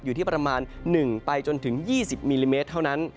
อยู่ที่ประมาณ๑ไปจนถึง๒๐มิลลิเมตรเท่านั้น